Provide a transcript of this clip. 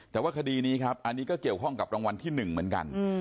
แต่ว่าคดีนี้ครับอันนี้ก็เกี่ยวข้องกับรางวัลที่๑เหมือนกัน